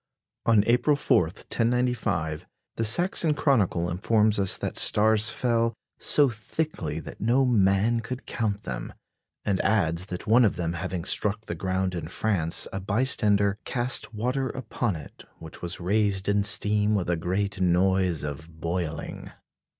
On April 4, 1095, the Saxon Chronicle informs us that stars fell "so thickly that no man could count them," and adds that one of them having struck the ground in France, a bystander "cast water upon it, which was raised in steam with a great noise of boiling."